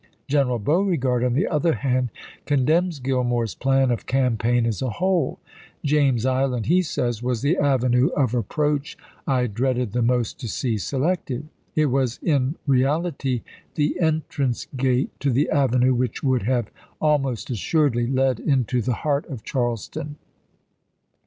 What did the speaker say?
General Beauregard, on the other hand, condemns Grill more's plan of campaign as a whole. "James Island," he says, "was the avenue of approach I dreaded the most to see selected. .. It was in re ality the entrance gate to the avenue which would Beaure. have almost assuredly led into the heart of Charles Deff S of ton.